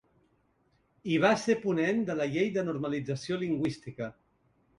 I va ser ponent de la llei de normalització lingüística.